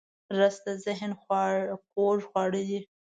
رس د ذهن خوږ خواړه دی